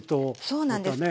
そうなんです。